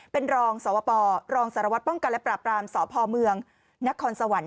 เป็นรองสวปรองสารวัตรป้องกันและปราบรามสพเมืองนครสวรรค์